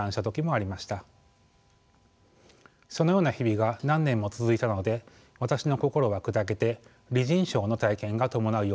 そのような日々が何年も続いたので私の心は砕けて離人症の体験が伴うようになりました。